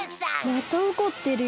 またおこってるよ。